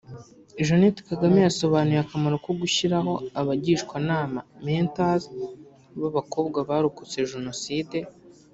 Jeannette Kagame yasobanuye akamaro ko gushyiraho abagishwanama (mentors) b’abakobwa barokotse Jenoside